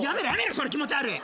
それ気持ち悪い。